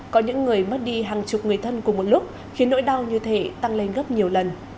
có những người mất đi hàng chục người thân cùng một lúc khiến nỗi đau như thế tăng lên gấp nhiều lần